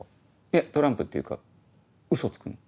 いやトランプっていうかウソつくの。